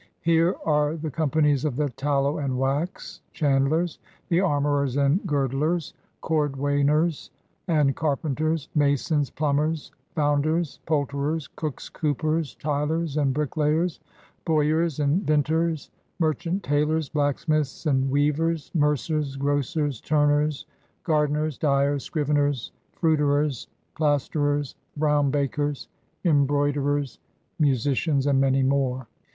Here are the Companies of the Tallow and Wax Chandlers, the Armorers and Girdlers, Cordway ners and Carpenters, Masons, Plumbers, Founders, Poulterers, Cooks, Coopers, Tylers and Brick Layers, Bowyers and Vinters, Merchant Taylors, Blacksmiths and Weavers, Mercers, Grocers, Turners, Gardeners, Dyers* Scriveners, Fruiterers, Plaisterers, Brown Bakers, Imbroiderers, Musi cians, and many more.